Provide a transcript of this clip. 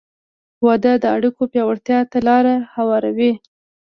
• واده د اړیکو پیاوړتیا ته لار هواروي.